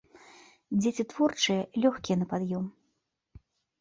Дзеці творчыя, лёгкія на пад'ём.